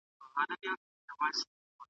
د دې وخت د زاهدانو په قرآن اعتبار نسته .